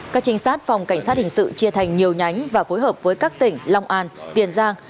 các trinh sát phòng cảnh sát hình sự chia thành nhiều nhánh và phối hợp với các tỉnh long an tiền giang